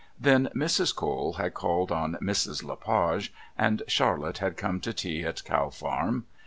Then Mrs. Cole had called, and Mrs. Le Page and Charlotte had come to tea at Cow Farm.